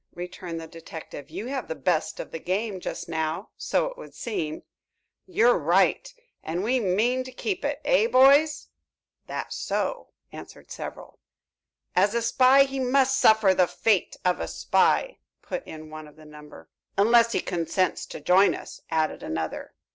returned the detective. "You have the best of the game just now, so it would seem." "You're right and we mean to keep it; eh, boys?" "That's so," answered several. "As a spy, he must suffer the fate of a spy," put in one of the number. "Unless he consents to join us," added another.